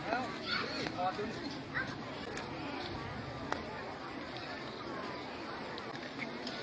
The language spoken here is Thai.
สวัสดีครับ